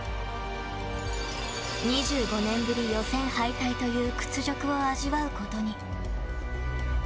２５年ぶり予選敗退という屈辱を味わうことに。